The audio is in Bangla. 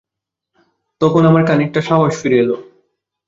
তখন আমার খানিকটা সাহস ফিরে এল।